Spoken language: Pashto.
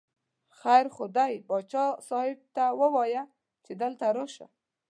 خیر خو دی، باچا صاحب ته ووایه چې دلته راشه.